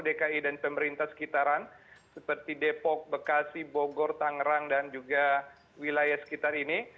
dki dan pemerintah sekitaran seperti depok bekasi bogor tangerang dan juga wilayah sekitar ini